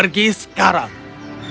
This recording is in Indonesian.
jangan berkata kata lagi sekarang